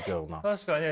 確かにね。